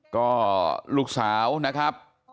ก็ลูกสาวนะครับ